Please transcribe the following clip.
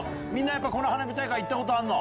この花火大会行ったことあるの？